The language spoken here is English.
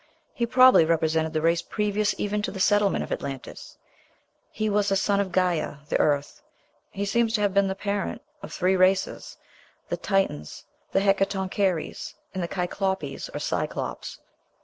He probably represented the race previous even to the settlement of Atlantis. He was a son of Gæa (the earth). He seems to have been the parent of three races the Titans, the Hekatoncheires, and the Kyklopes or Cyclops.